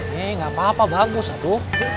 nih gapapa bagus satu